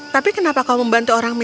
tapi kenapa kau membantu orang miskin